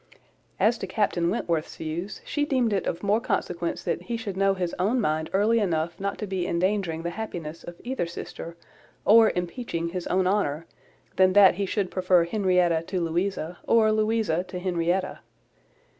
As to Captain Wentworth's views, she deemed it of more consequence that he should know his own mind early enough not to be endangering the happiness of either sister, or impeaching his own honour, than that he should prefer Henrietta to Louisa, or Louisa to Henrietta.